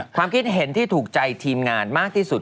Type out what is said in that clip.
ความคิดเห็นที่ถูกใจทีมงานมากที่สุด